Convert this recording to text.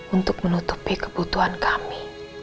untuk menutupi kebutuhan kami